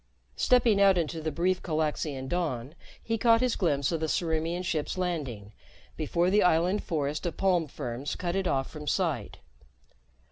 Stepping out into the brief Calaxian dawn, he caught his glimpse of the Ciriimian ship's landing before the island forest of palm ferns cut it off from sight.